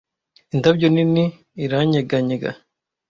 indabyo nini iranyeganyega